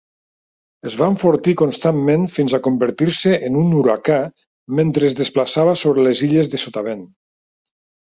Es va enfortir constantment fins a convertir-se en un huracà mentre es desplaçava sobre les Illes de Sotavent.